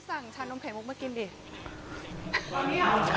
ส่งฉานงงเขงบวงมากินสิ